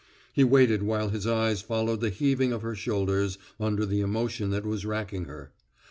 He waited while his eyes followed the heaving of her shoulders under the emotion that was racking her.